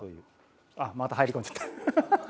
また入り込んじゃった。